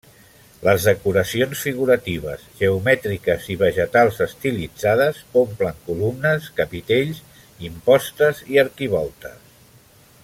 Les decoracions figuratives, geomètriques i vegetals estilitzades omplen columnes, capitells, impostes i arquivoltes.